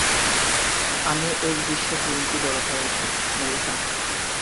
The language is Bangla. আমি এই গ্রীষ্মে দুই ইঞ্চি বড় হয়েছি, মেলিসা।